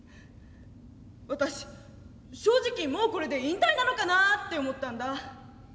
私正直もうこれで引退なのかなって思ったんだ。